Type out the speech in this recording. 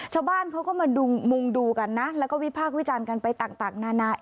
ชาวบ้านเขาก็มามุงดูกันนะแล้วก็วิพากษ์วิจารณ์กันไปต่างนานา